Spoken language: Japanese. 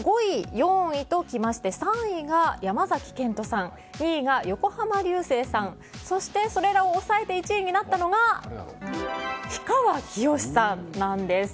５位、４位ときまして３位が山崎賢人さん２位が横浜流星さんそして、それらを抑えて１位になったのが氷川きよしさんなんです。